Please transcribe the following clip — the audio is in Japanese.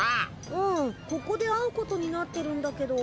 うんここで会うことになってるんだけど。